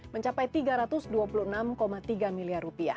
mencapai rp tiga ratus dua puluh enam tiga miliar